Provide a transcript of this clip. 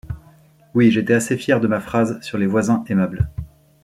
─« Oui, j’étais assez fière de ma phrase sur les voisins aimables.